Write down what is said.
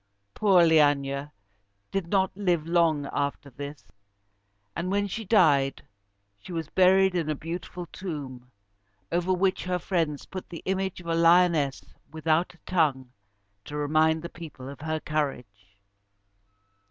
Poor Leæna did not live long after this; and when she died, she was buried in a beautiful tomb, over which her friends put the image of a lioness without a tongue, to remind the people of her courage.